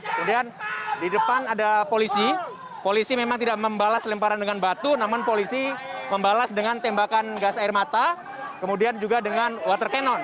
kemudian di depan ada polisi polisi memang tidak membalas lemparan dengan batu namun polisi membalas dengan tembakan gas air mata kemudian juga dengan water cannon